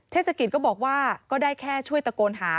เทศกิจก็บอกว่าก็ได้แค่ช่วยตะโกนหา